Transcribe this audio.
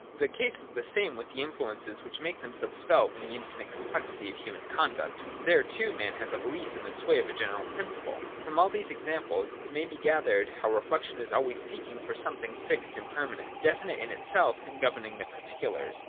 — The case is the same with the influences which make themselves felt in the infinite complexity of human conduct. There, too, man has the belief in the sway of a general principle.— From all these examples it may be gathered how reflection is always seeking for something fixed and permanent, definite in itself and governing the particulars.